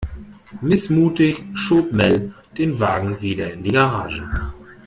Missmutig schob Mel den Wagen wieder in die Garage.